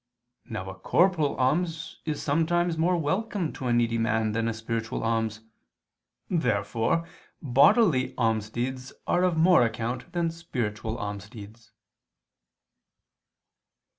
Now a corporal alms is sometimes more welcome to a needy man than a spiritual alms. Therefore bodily almsdeeds are of more account than spiritual almsdeeds.